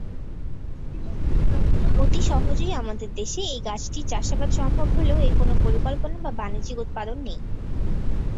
অতি সহজেই আমাদের দেশে এই গাছটির চাষাবাদ সম্ভব হলেও এর কোন পরিকল্পনা বা বাণিজ্যিক উৎপাদন নেই।